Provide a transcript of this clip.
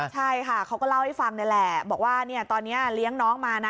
ใช่ค่ะเขาก็เล่าให้ฟังนี่แหละบอกว่าตอนนี้เลี้ยงน้องมานะ